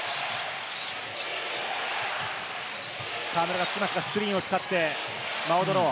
河村がつきますが、スクリーンを使ってマオド・ロー。